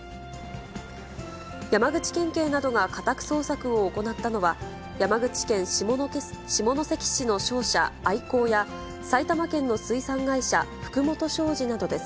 山口県警などが家宅捜索を行ったのは、山口県下関市の商社、アイコーや、埼玉県の水産会社、福元商事などです。